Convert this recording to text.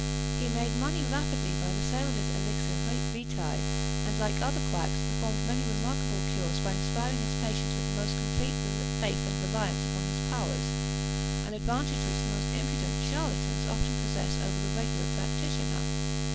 He made money rapidly by the sale of his elixir vitæ; and, like other quacks, performed many remarkable cures by inspiring his patients with the most complete faith and reliance upon his powers; an advantage which the most impudent charlatans often possess over the regular practitioner.